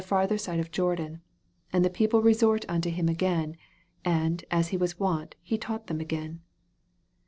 farther side of Jordan : and the people resort unto Him again ; and, as He was wont, He taught them again."